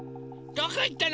どこいったの？